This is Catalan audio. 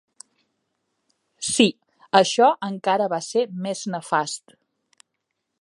Sí, això encara va ser més nefast.